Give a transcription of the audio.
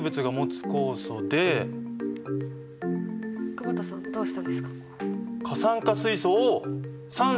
久保田さんどうしたんですか？